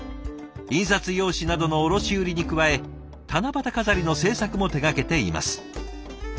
印刷用紙などの卸売りに加え七夕飾りの制作も手がけています。